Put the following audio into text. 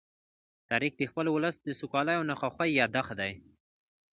تاریخ د خپل ولس د سوکالۍ او ناخوښۍ يادښت دی.